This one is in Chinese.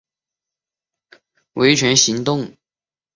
这是他向党禁发起的公民宪法维权行动。